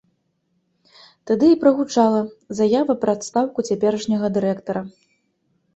Тады і прагучала заява пра адстаўку цяперашняга дырэктара.